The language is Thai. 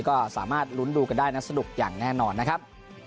ก็สามารถลุ้นดูกันได้นะสนุกอย่างแน่นอนนะครับ